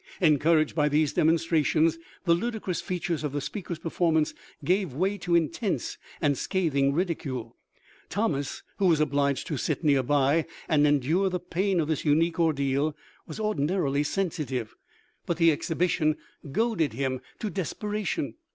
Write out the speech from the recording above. Encouraged by these demonstrations, the ludicrous features of the speaker's performance gave way to intense and scathing ridicule. Thomas, who was obliged to sit near by and endure the pain of this unique ordeal, was ordinarily sensitive ; but the I98 The Life OF LINCOLN". exhibition goaded him to desperation.